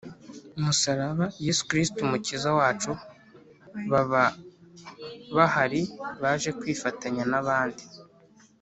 musaraba yezu kristu umukiza wacu, baba bahari baje kwifatanya n’abandi,